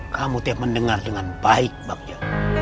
kamu tiap mendengar dengan baik bagja